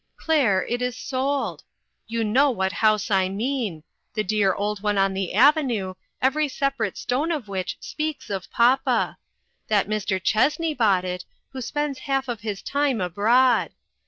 Claire, it is sold. You know what house I mean; the dear old one on the avenue, every separate stone of which speaks of papa. That Mr. Chessney bought it, who spends half of his time abroad.